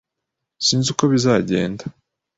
Sinzi uko bizagenda